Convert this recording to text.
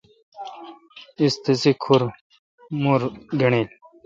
اس تسے کھر مُر گݨڈیل۔